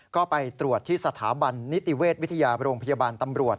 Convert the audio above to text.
ก็ไปตรวจที่สถาบันนิติเวชวิทยาโรงพยาบาลตำรวจ